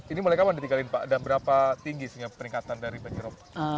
ini mulai kapan ditinggalin pak dan berapa tinggi sehingga peningkatan dari banjir rob